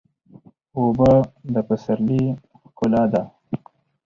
اوبه د پسرلي ښکلا ده.